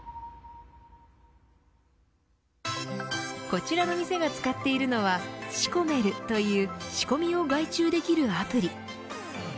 こちらの店が使っているのはシコメルという仕込みを外注できるアプリ。